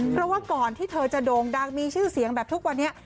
เพราะว่าก่อนที่เธอจะโด่งดังมีชื่อเสียงแบบทุกวันนี้